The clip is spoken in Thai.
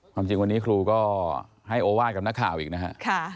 ความจริงวันนี้ครูก็ให้โอวาสกับนักข่าวอีกนะฮะ